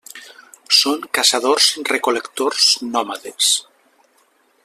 Són caçadors-recol·lectors nòmades.